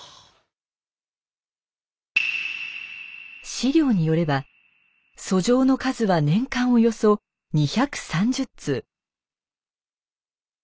史料によれば訴状の数は年間およそ２３０通。